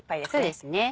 そうですね。